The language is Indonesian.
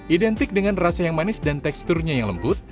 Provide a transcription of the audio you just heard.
identik dengan rasa yang manis dan teksturnya yang lembut